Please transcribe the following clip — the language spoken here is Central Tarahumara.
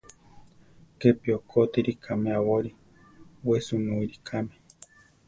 Kepi okótiri kame aborí, we senúiri kame.